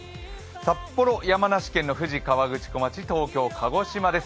札幌、山梨県の富士川口町、東京、鹿児島です。